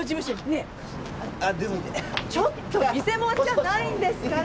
ちょっと見せ物じゃないんですから！